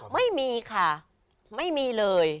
ไม่มีค่ะไม่มีเลย